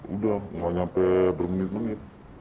udah nggak nyampe berminit minit